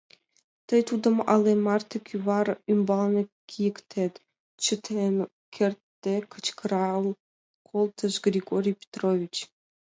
— Тый тудым але марте кӱвар ӱмбалне кийыктет! — чытен кертде кычкырал колтыш Григорий Петрович.